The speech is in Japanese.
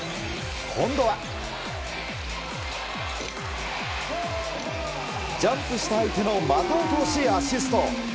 今度は、ジャンプした相手の股を通しアシスト。